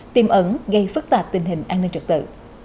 tiêm ẩn gây phức tạp tình hình an ninh trật tự